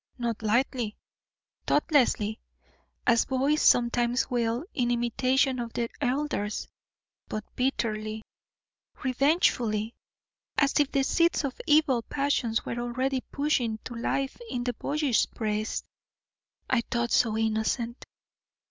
Not lightly, thoughtlessly, as boys sometimes will in imitation of their elders, but bitterly, revengefully, as if the seeds of evil passions were already pushing to life in the boyish breast I thought so innocent.